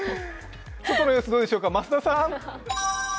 外の様子どうでしょうか、増田さん。